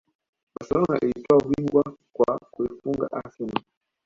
Barcelona ilitwaa ubingwa kwa kuifunga arsenal